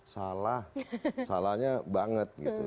salah salahnya banget gitu